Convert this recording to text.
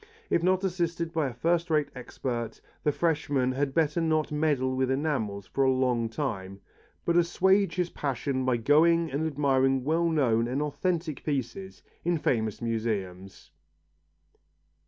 If not assisted by a first rate expert, the freshman had better not meddle with enamels for a long time, but assuage his passion by going and admiring well known and authentic pieces in famous museums.